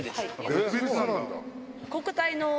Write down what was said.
別々なんだ。